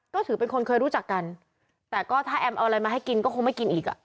ก็ถือเป็นคนเคยรู้จักกันแต่ก็ถ้าแอมเอาอะไรมาให้กินก็คงไม่กินอีกอ่ะ